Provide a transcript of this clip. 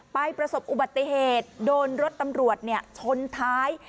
ประสบอุบัติเหตุโดนรถตำรวจชนท้าย